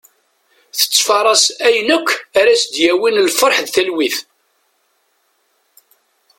Tettfaras ayen akk ara as-d-yawin lferḥ d talwit.